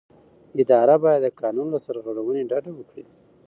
اداره باید د قانون له سرغړونې ډډه وکړي.